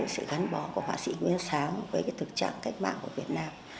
sự gắn bó của họa sĩ nguyễn sáng với thực trạng cách mạng của việt nam